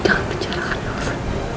jangan mencerahkan dosa